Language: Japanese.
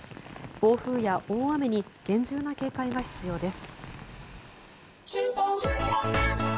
暴風や大雨に厳重な警戒が必要です。